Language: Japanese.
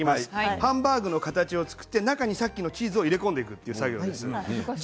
ハンバーグの形を作ってさっきのチーズを入れ込んでいきます。